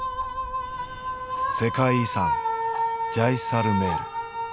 世界遺産ジャイサルメール。